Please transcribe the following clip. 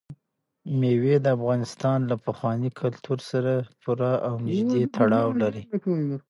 مېوې د افغانستان له پخواني کلتور سره پوره او نږدې تړاو لري.